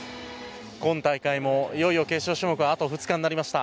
今大会もいよいよ決勝種目があと２日になりました。